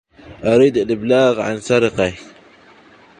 أريد الإبلاغ عن سرقة.